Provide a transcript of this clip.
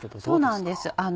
そうなんです。